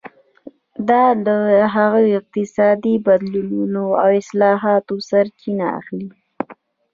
دا له هغو اقتصادي بدلونونو او اصلاحاتو سرچینه اخلي.